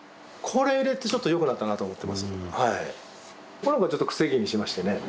この子はちょっと癖毛にしましてね。